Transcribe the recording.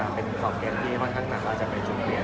หรือวันที่สอบแรงนี้ค่อนข้างหลังจะเป็นจุดเปลี่ยน